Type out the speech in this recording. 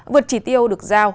vượt chỉ tiêu được ra